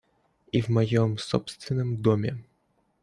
И в моем собственном доме!